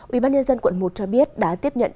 ubnd quận một cho biết đã tiếp nhận